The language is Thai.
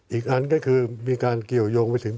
อีกอันก็คือมีการเกี่ยวยงไปถึง